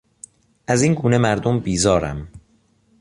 از این گونه مردم بیزارم.